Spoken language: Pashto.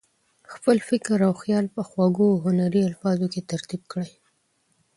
خپل فکر او خیال په خوږو او هنري الفاظو کې ترتیب کړي.